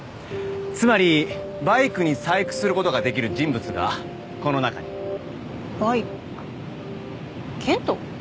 つまりバイクに細工することができる人物がこの中にバイク健人？